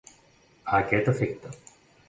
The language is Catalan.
A aquest efecte.